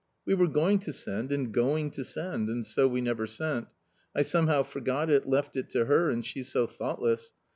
We were going to send and going to send, and so we never sent ; I somehow forgot it, left it to her, and she's so thoughtless.